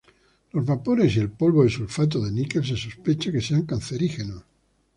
Los vapores y el polvo de sulfato de níquel se sospecha que sean cancerígenos.